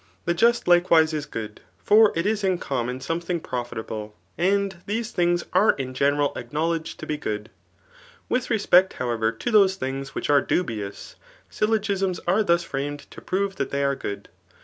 The just likewise is good; for it is in common something profitable. And these things are in general acknowledged to be good« With respect, however, to those things which are dubious, syllogisms are thus framed to prove that thef are good.